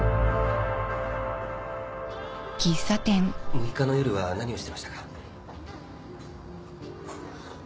６日の夜は何をしてましたか？